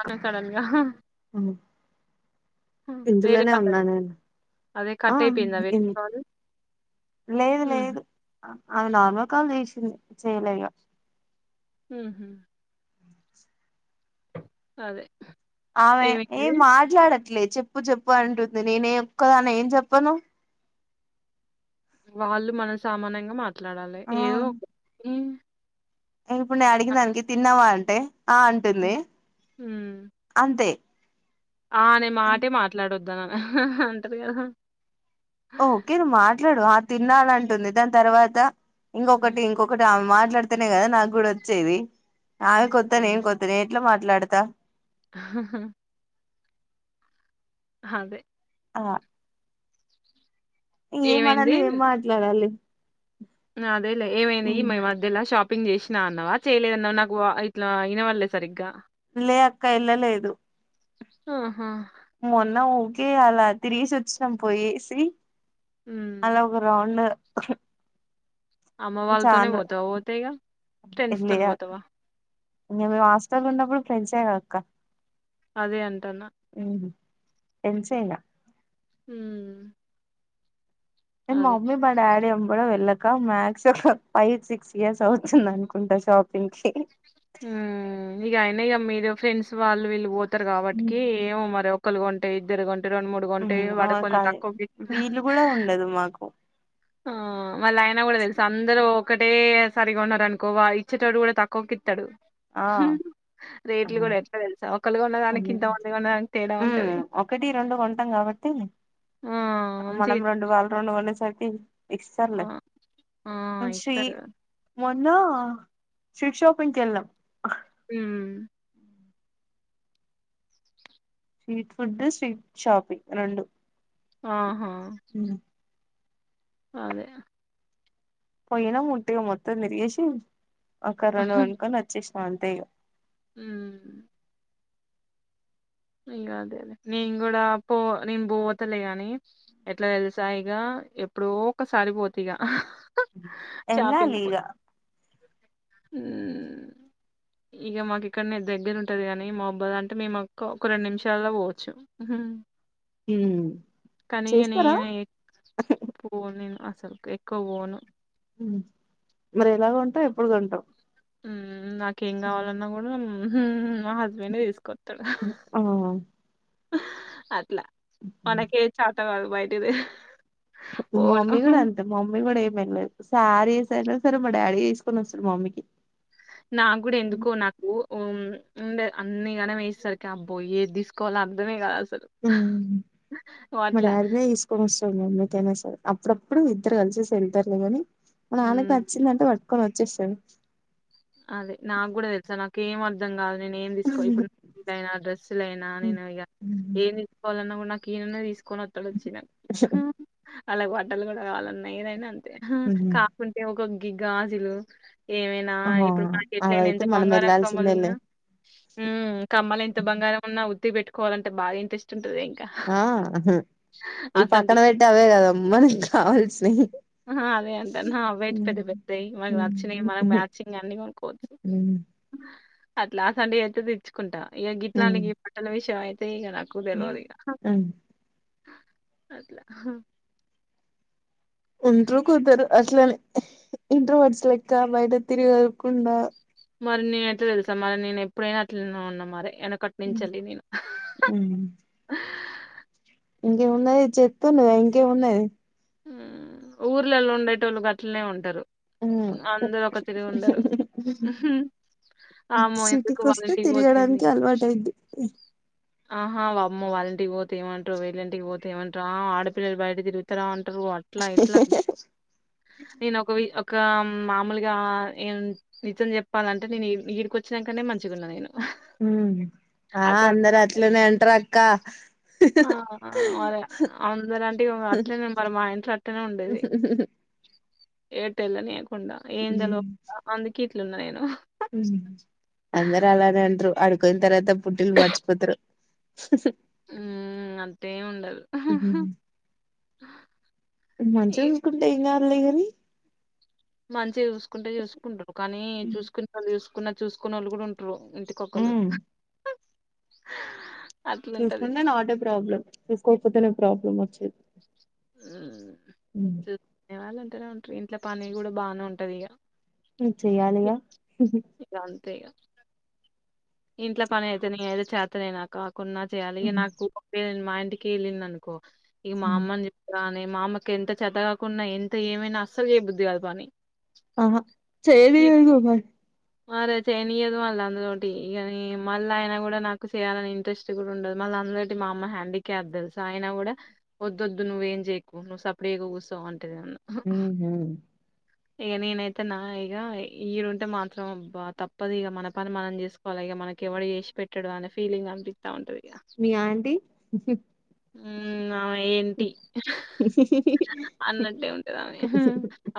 అట్ల సడెన్గా ఆ వేరే ఇందులోనే ఉన్నా పడ్డది, నేను అదే ఆ కట్ అయిపోయిందా వేడి కాలు లేదు లేదు అమే నార్మల్ కాల్ చెషింది చేయలే ఇగ మ్మ్హ్హ్ అదే ఆమె ఏ ఏమైంది? మాట్లాడకు ట్లే చెప్పు చెప్పు అంటుంది నేను ఒక్కదాన్నే ఏం చెప్పను వాళ్ళు మనం సమనంగా గా మాట్లాడాలే ఆ ఏదో ఒకటి మ్మ్ ఇప్పుడు నేను అడిగిన దానికి తిన్నావా అంటే ఆ అంటుంది హ్మ్. హ్మ్. అంతే ఆ అనే మాటే మాట్లాడొద్దన హా హా అని అంటాది కదా ఓకే నువ్వు మాట్లాడు, ఆ తినాలంటుంది దాని తర్వాత హ్మ్. ఇంకొకటి ఇంకొకటి ఆమె మాట్లాడితేనే కదా నాకు కూడా వచ్చేది ఆమె హ్మ్. కొత్తా, నేను కొత్తా నే ఎట్ల మాట్లాడతా హహ అదే ఆ ఏమ అనంది ఏం మాట్లాడాలి అదేలె ఏమైంది ఈ మధ్యలా షాప్ ప్పింగ్ చేషినా అన్నవా చేయలేదన్నవా నాకు వా ఇట్లా ఇనవళ్లే సరిగ్గా లే అక్క ఏళ్లలేదు ఆహా మొన్న ఉకే అలా తిరిగేసి వచ్చినాం పోయి ఏసి హ్మ్. అలా ఒక రౌండ్, ఆహ్ అమ్మ వాళ్ళతోనే పోతావా పోతే ఇగా ఫ్రెండ్స్ లే తోనీ అక్క పోతావా ఇంగ మేము హాస్టల్ లో ఉన్నప్పుడు ఫ్రెండ్సే కదా అక్క అదే అంటన్న ఫ్రెండ్సే ఇగ మ్మ్ కని మా మమ్మీ మా డాడీ ఎంబడే వెళ్లా కా మాక్సిమం ఫైవ్ సిక్స్ ఇయర్స్ అవుతుంది అనుకుంటా షాపింగ్ కి మ్మ్ ఇగ అయిన ఇగా మీరు ఫ్రెండ్స్ వాళ్ళు వీళ్ళు పోతారు కాబట్టికి ఏమో మరి ఒక్కలు కొంటే ఇద్దరు కొంటే రెండు మూడు కొంటె వాడు కొంచెం కాదు తక్కువకు ఇ వీలు కూడా ఉండదు మాకు ఆ మళ్ళ అయినా కూడా తెలుస, అందరు ఒక అంటే సరి కొన్నారు అనుకో వా ఇచ్చేటోడు కూడా తక్కువకి ఇత్తడు ఆ రేట్లు కూడా ఎట్లా తెలుసా ఒకళ్ళు కొన్నదానికి ఇంతమంది కొన్నదానికి తేడా మ్ ఉంటది ఒకటి రెండు కొంటం కాబట్టి ఆ మనం మంచిగా రెండు వాళ్లు రెండు కొనేసరికి ఇస్తారులే ఇస్తా- ఆ ఆ కానీ షీ ఇత్తరు మొన్న స్ట్రీట్ షాపింగ్ కి ఎల్లినం మ్మ్ స్ట్రీట్ ఫుడ్ స్ట్రీట్ షాపింగ్ రెండు ఆహా మ్ అదే పోయినం ఉట్టిగా మొత్తం తిరిగేషి ఒక రెండు కొనుక్కొని వచ్చేషినం అంతే ఇగ మ్మ్ ఇంగ అదే అదే, నేను కూడా పో నేను పోతలే అని ఎట్లా తెలుసా ఇగా ఎప్పుడో ఒకసారి పోతి ఇగ ఎల్లాలి ఇగ హు ఇగ మాకు ఇక్కడనే దగ్గర ఉంటది గాని [unintelligible] అంటే మేము ఒక రెండు నిమిషాల్లో పోవచ్చు కనీ ఇగ చేస్తారా నేనే [unintelligible] అసలు ఎక్కువ పోను మరి ఎలా కొంటావు ఎప్పుడు కొంటావు నాకేం కావాలన్నా కూడ [unintelligible] మా హస్బెండ్ తీసుకొస్తడు ఆ అట్ల మనకేది చేతకాదు బయట [unintelligible] మమ్మీ కూడ అంతే మమ్మీ కూడ ఏం వెళ్లదు సారీ అయినా సరే మా డాడీ తీసుకొని వస్తాడు మా మమ్మీకి నా కూడ ఎందుకో నాకు ఉండే అన్ని గణం వేస్తారు అబ్బో ఏది తీసుకోవాలి అర్థమే కాదు అసలు ఉ ఓ మా అట్లా డాడీనే తీసుకొనోస్తాడు మమ్మీ కైనా సరే అప్పుడప్పుడు ఇద్దరు కలిసి వెళ్తారులేగాని మా నానకి ఉమ్ నచ్చిందంటే పట్కొని వ చేస్తాడు అదే నాకు కూడ తెలుసా నాకు ఏం అర్ధం కాదు నే ఏం తీసుకోవాలి ఇప్పుడు అయినా డ్రెస్సులు అయినా ఉమ్. నేను ఇగ ఉమ్. ఏం తీసుకోవాలన్నా కూడ ఈననే తీసుకొని వత్తడు వచ్చి నాకు వాళ్లకు బట్టలు కూడ కావాలన్నాయి ఏదైనా అంత ఉమ్. కాకుంటే ఒక గి గాజులు ఏమైనా ఆ ఇప్పుడు మార్కెట్లో అయినా అవైతే ఎంత మనం బంగారం కమ్మలు వెళ్లాల్సిందేలే ఉన్నా కమ్మలు ఎంత బంగారం ఉన్నా పెట్టుకోవాలంటే బాగ ఇంట్రెస్ట్ ఉంటది ఇంకా ఆ ఈ అసంటి. పక్కన పెట్టి అవే కదా మనకి కావాల్సివి ఆ అదే అంటాన అవ్వీ అయితే పెద్ద పెద్ద మనకు నచ్చినాయి మనకి మ్యాచింగ్ అన్ని కొనుకోవచ్చు అ అట్లాస్ అంటే అయితే తెచ్చుకుంటా ఇక గిట్లానికి బట్టల విషయం అయితే [unintelligible] నాకు తెల్వదు ఇగ అట్ల హు ఉంట్రూ కొందరు అట్లనే ఇంట్రోవర్స్ లెక్క బయట తిరిగకుండా మరి నేన ఎట్ల తెలుసా మరి నేను ఎప్పుడైనా అట్ల ఉన్నా మరి ఎన కట్నించాల్లి నేను ఉమ్. [unintelligible] ఊర్లలో ఉండేటోళ్ళు గట్లనే ఉంటారు ఉమ్. అందరు ఒక తిరిగి ఉండరు ఆమో ఎందుకు సిటీకి వస్తే వాళ్ళింటికి పోతుంది తిరగడానికి అలవాటు అయిద్ది ఆహా అమ్మ వాళ్ళంటికి పోతే ఏమంటారు విళ్లింటికి ఇంటికి పోతేమంటారు ఆడపిల్లలు బయట తిగుతాంటారు అట్లా ఇట్లా నేను ఒక వి ఇమామూలుగా నిజం చెప్పాలంటే నేను ఇడికి వచ్చినంకనే మంచిగ ఉన్నా నేను ఆ అక్కడ అందర అట్లనే అంటరు అక్క ఆ మరి అందరు అంటే [unintelligible] అట్టనే మరి మా ఇంట్లో అట్టనే ఉండేది అ ఎటు ఏళ్లనీయకుండా అందుకే ఇట్లున్నా నేను అందరు అలానే అంటరు అడుకు పోయిన తర్వాత పుట్టిలు మర్చిపోతారు ఉ అట్లెం ఉండదు మంచి ఇగ చసుకుంటే ఏం కాలే గని మంచిగా చూసుకుంటే చూసుకుంటారు కానీ చూసుకున్న వాళ్ళు చూసుకోనోళ్ళు కూడ ఉంటారు ఇంటి కొక్కలు చూసుకుంటే నాట్ ఏ ప్రాబ్లమ్ చూసుకోకపోతేనే ప్రాబ్లం వచ్చేది చూసుకునే వాళ్ళు అంటనే ఉంటారు ఇంట్లో పని కూడా బానే ఉంటది ఇగ చెయ్యాలీగా ఇగ అంతే ఇగ ఇంట్లో పని అయితే న ఏదో చేతనే నా కాకున్నా చేయాలి ఇక నాకు మా ఇంటికిళ్ళింది అనుకో ఇక మా అమ్మని చెప్ప మా అమ్మకి ఎంత చేతగాకుండా ఎంత ఏమైనా అస్సలు చేయబుద్ధి కాదు పని ఆహా చేదిగా మ మరే చేయనియదు మల అందరుంటే ఇగ నీ మళ్ళీ అయిన కూడా నాకు చేయాలని ఇంట్రెస్ట్ కూడా ఉండదు మళ్ళీ అందులోకి మా అమ్మ హ్యాండిక్యాప్డ్ తెల్సా అయిన కూడా వద్దొద్దు ఏం చేయకు నువ్ ఏం చేయకు సపడిగా కూర్చో అంటది నన్ను ఇగ నేనైతే నా ఇగ ఈడుంటే మాత్రం అబ్బ తప్పదు ఇగ మన పని మనం చేస్ కోవాలా అలాగే మనకి ఎవడ చేసి పెట్టాడు అనే ఫీలింగ్ అనిపిస్తా ఉంటది ఇగ మీ ఆంటీ ఉమ్ ఆమె ఏంటి అన్నట్టే ఉంటేదామే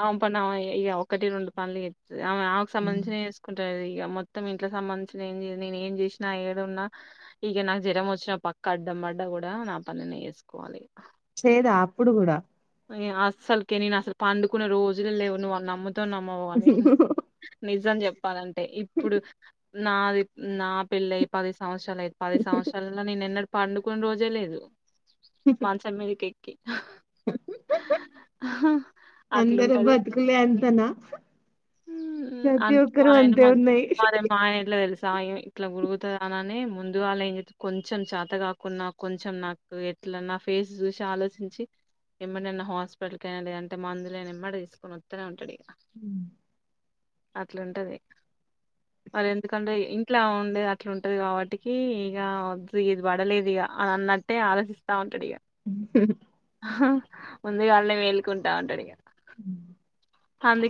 ఆమె పని ఆమె ఇగ ఒకటి రెండు పనులు చెత్తది ఆమె ఆమెకు సంబంధించినయే చేసుకుంటది ఇక మొత్తం ఇంట్కి సంబంధించి చిన ఏం చేయదు నేను ఏం చేసిన ఏడున్న ఇగ నాకు జ్వరం వచ్చిన పక్క అడ్డం పడ్డ కూడా నా పని నే యేస్కోవాలి చేయదా అప్పుడు కూడా అసలుకి నేను అసలు పండుకున్న రోజులు లేవు నువ్ నమ్ము తావో నమ్మవో అని నిజం చెప్పాలంటే ఇప్పుడు నాది నా పెళ్ళ అయి పది సంవత్సరాలు అయితే పది సంవత్సరాలలో నేను ఎన్నడు పండుకున్న రోజే లేదు మంచం మీదక కెక్కి అ హ్ అందరు అట్లుంటది బతుకులే అంతేనా హ్మ్మ్ ప్రతి అంతే మా ఒక్కరు ఆయన అంతే మా ఉన్నాయి మా ఆయన ఇట్లా తెలుసు సాయం ఇట్లా గురుగుత అననే ముందు వాళ్ళు ఏం చె కొంచెం చేత కాకుంన్నా కొంచెం నాకు అట్లా నా ఫేస్ చూసి ఆలోచించి ఎమ్మడిన్న హాస్పిటల్కి అయిన లేదంటే మందులైనా ఇమ్మడి తీసుకని వస్తూనే ఉంటాడు ఇక ఉమ్ అట్లుంటది మరి ఎందుకంటే ఇంట్లా ఉండేది అట్లా ఉంటది కాబట్టికి ఇక వద్ ఇది పడలేదు ఇక అనన్నట్టే ఆలోచిస్తా ఉంటాడు ఇగా [inaudible] ఆ ముందుగాళ్నే మేలుకుంటా ఉంటాడు ఇగ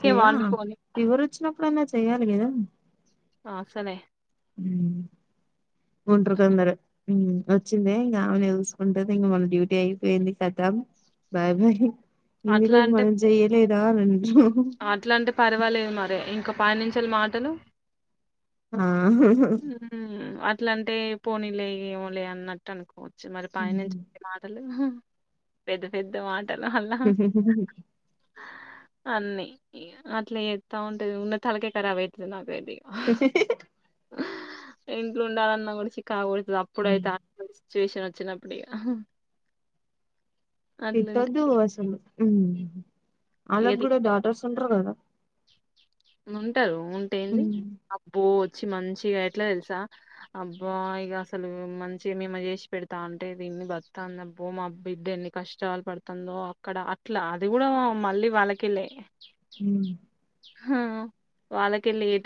చెయ్య పోని ఫీవర్ వచ్చినప్పుడన్నా చెయాలి కదా ఆ సలె ఉమ్ ఉంట్ర కొందరు ఉమ్ వచ్చింది ఇంకా ఆమె చూసుకుంటే ఇంక మన డ్యూటీ అయిపోయింది కతం బాయ్ బాయ్ ఇన్నిరోజు మనం చెయలేదా అట్లాంటి పర్వాలేదు మరి ఇంక పై నించేలి మాటలు ఆ హా హా ఇట్లాంటే పోనీలే ఏమో లే అన్నట్టు అనుకోవచ్చు మరి పాయనంచి చెప్పే మాటలు పెద్ద పెద్ద మాట్ హు హు అన్నీ అట్లా ఎస్తా ఉంటది ఉన్న తలకే ఖరాబ్ అయితది నాకు సరే ఇంట్లో ఉండాలన్న చికాకు కొడతదీ అప్పుడైతే సిట్యుయేషన్ వచ్చినప్పుడే ఇగ అట్లాంటే తిట్టొద్దు అసలు వాళ్ళకి ఏది కూడా డాటర్స్ ఉంటారు కద ఉంటారు ఉంటే ఏంది అబ్బో మంచి మంచిగా ఎట్లా తెలుసా అబ్బా ఇక అసలు మంచిగా మేమ చేసి పెడతా అంటే దీ బందిబ్బో మా అబ్బ బిడ్డ ఎన్ని కష్టాలు పడుతుందో అక్కడ అట్లా అది కూడా మళ్ళీ వాళ్ళ కెళ్లే ఉమ్మ్ హా వాళ్ళ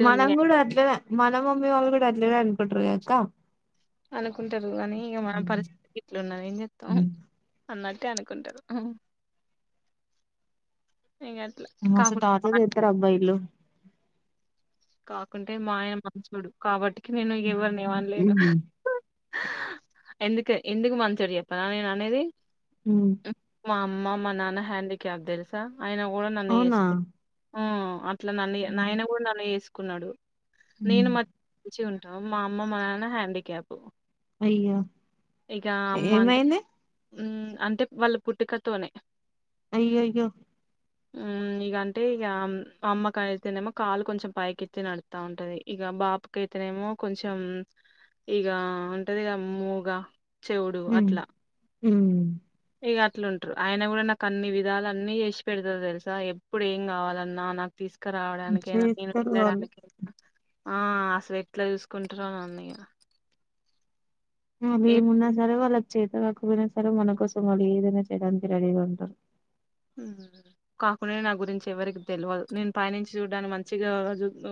మనం కూడా అట్లనే మన మమ్మీ వాళ్ళు కూడా అట్లనే అనుకుంటారు కదా అక్క అనుకుంటారు కాగానీ ఇక మన పరిస్థితి ఇట్లు ఉన్నా ఏం చెతాం అన్నట్టు టే అనుకుంటారు ఇగ అట్లా మస్తు కాకుండా టార్చర్ చేస్తారాబ్బా ఇలు కాకుంటే మా ఆయన మంచోడు కాబట్టి నేను ఎవరిని అనలేను హ్మ్ ఎందుకు ఎందుకు మంచోడు చెప్పనా నేను అనేది హ్మ్మ్ మా అమ్మ మా నాన్న హ్యాండీక్యాప్ తెలుసా ఆయన కూడా నన్ను అవునా చేసుకుండు ఇట్లా నన్ను నాయన కూడా నన్ను చేసుకున్నాడు నేను హ్మ్ మంచి మా అమ్మ మా నాన్న హాండి క్యాప్ అయ్యో అమ్మ అంటే ఏమైంది అంటే వాళ్ళు పుట్టుకతోనే అయ్యయ్యో ఇక అంటే ఇక అమ్మకా అయితేనేమో కాలు కొంచెం పైకిచ్చ నడుతా ఉంటది ఇక బాపకైతేనేమో కొంచెం ఇగా ఉంటదిగా మూగా చెవుడు హ్మ్ అట్లా హ్మ్ ఇక అట్లుంటారు ఆయన కూడా నాకు అన్ని విధాల అన్ని చేసి పెడతాది తెలుసా ఎప్పుడు ఏం కావాలన్నా నాకు తీసుకు ఇక్క రావడానికైనా నేను చేస్తారు వాళ్ళు వెళ్ళడానికైనా ఆ అసలు ఎట్లా చూసుకుంటారన్నాయా అవి ఏం మొన్న సరే వాళ్లకు చేత కాకపోయినా సరే మన కోసం వాళ్ళు ఏదైనా చేయడానికి రెడీగా ఉంటాం మ్ కాకుడా నా గురించి ఎవరికి తెల్వద్ నేను పైనుంచి చూడ్డానికి మంచిగా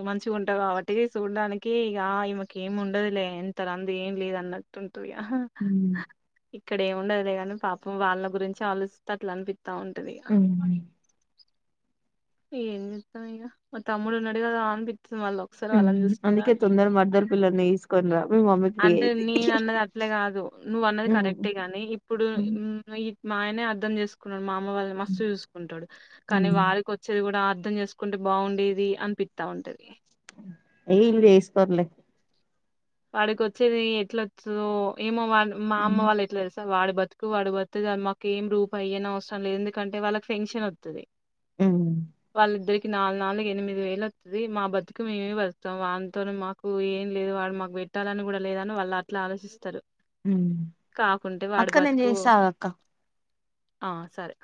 ఉ మంచిగా ఉంటా కాబట్టి చూడ్డానికి ఇగ ఈమెకి ఏమి ఉండదులే ఎంత రంధి ఎం లేదులే అన్నట్టుంటాధిగా హ హ హ్మ్ ఇక్కడ ఏమి ఉండదులె కాని పాపం వాళ్ళ గురించి ఆలోచింతట్లు అనిపిస్తా ఉంటంది మ్ ఏం చేస్తాం ఇగ మా తమ్ముడు ఉన్నాడు గదా అంది ఉ అందుకే తొందర పడడు పిల్లను తీసుకుంరా అంటే నేన్ అన్నది అట్ల కాదు నువ్వు అన్నది హ్మ్ కరెక్టే గాని ఇప్పుడు హ్మ్ మ్ ఇప్ మా ఆయనే అర్థం చేసుకున్నాడు మా అమ్మ వాళ్ళని మస్తు చూసుకుంటాడు కానీ హ్మ్ వాళ్ళకి వచ్చేది కూడా అర్ధం చేసుకుంటే బాగుండేది అనిపిత్త ఉంటది అవియిప్పుడు వేసుకోర్లే వాడికి వచ్చేది ఎట్లొచాదో ఏమో వాడ్ మా అమ్మ వాళ్ళు ఎట్లా తెలుసా వాడు బతుకు వాడ్ బతుకూతే చాల్ మాకు ఏం రూపయీ ఇయ్యనవసరం లేదు ఎందుకంటె వాళ్ళకి పెన్షన్ వస్తది మ్ నాలుగు నాలుగు ఎనిమిది వేలు వత్తది మా బతుకు మేమే బతుకుతాం వాన్ తోని మాకు ఏం లేదు వాడు మాక్ బెట్టాలని కూడా లేదని వాళ్ళు అట్లా ఆలోచిస్తారు హ్మ్ కాకుంటే వాడి అక్క నేను బతుకు చేస్తా ఆగు అక్క అ సరే